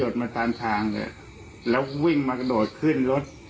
มาตามทางเลยแล้ววิ่งมากระโดดขึ้นรถ